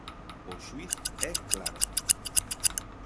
O xuíz é claro.